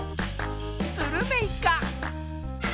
スルメイカ。